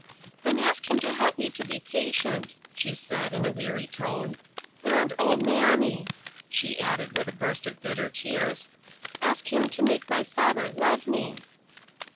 "Then ask Him to help me to be patient," she said, in a weary tone. "And O mammy!" she added, with a burst of bitter tears, "ask Him to make my father love me."